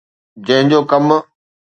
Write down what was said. جنهن جو ڪم